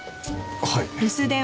はい。